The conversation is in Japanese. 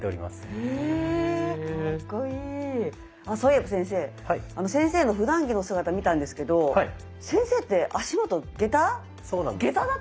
あっそういえば先生先生のふだん着の姿見たんですけど先生って足元下駄？